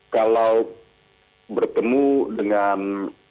kalau bertemu dengan